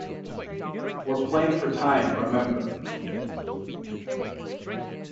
We're playing for time, remember.